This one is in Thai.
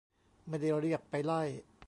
ไม่ได้เรียกไปไล่